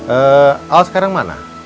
ee al sekarang mana